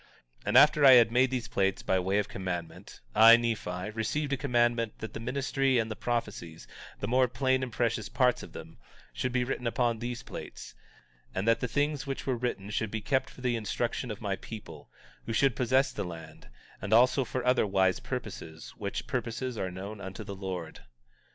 19:3 And after I had made these plates by way of commandment, I, Nephi, received a commandment that the ministry and the prophecies, the more plain and precious parts of them, should be written upon these plates; and that the things which were written should be kept for the instruction of my people, who should possess the land, and also for other wise purposes, which purposes are known unto the Lord.